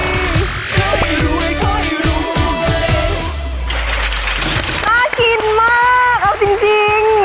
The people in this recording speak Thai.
น่ากินมากเอาจริง